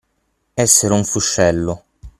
Essere un fuscello.